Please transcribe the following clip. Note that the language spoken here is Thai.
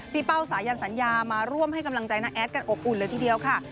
เป้าสายันสัญญามาร่วมให้กำลังใจน้าแอดกันอบอุ่นเลยทีเดียวค่ะ